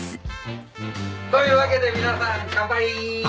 というわけで皆さん乾杯ー！